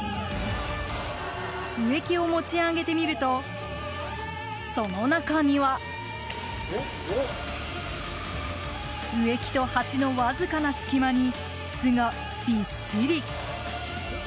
植木を持ち上げてみるとその中には。植木と鉢のわずかな隙間に巣がびっしり。